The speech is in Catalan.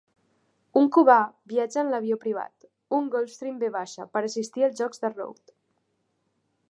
Un cubà viatja en el avió privat, un Gulfstream V, per assistir als jocs de Road.